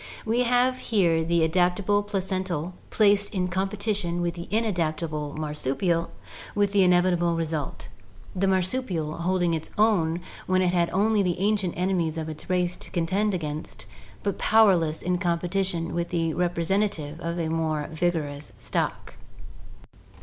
We have here the adapt able placental placed in competition with the inadaptable mar supial, with the inevitable result — the marsupial holding its own when it had only the ancient enemies of its race to contend against, but powerless in competition with the representative of a more vigorous stock.